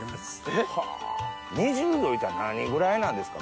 ２０度いうたら何ぐらいなんですか？